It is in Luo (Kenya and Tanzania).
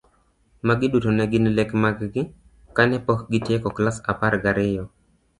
Magi duto ne gin lek mag gi kane pok gitieko klas apar gariyo.